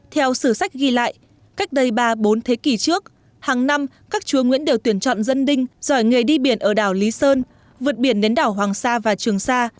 theo sử sách ghi lại cách đây ba bốn thế kỷ trước hàng năm các chúa nguyễn đều tuyển chọn dân đinh giỏi nghề đi biển ở đảo lý sơn vượt biển đến đảo hoàng sa và trường sa